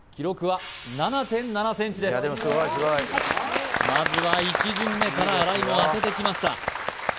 はいまずは１巡目から新井も当ててきました